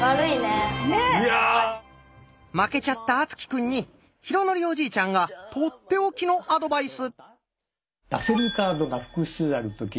負けちゃった敦貴くんに浩徳おじいちゃんが取って置きのアドバイス！